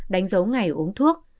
đánh dấu ngày uống thuốc